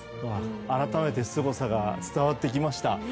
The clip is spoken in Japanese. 改めてすごさが伝わってきました。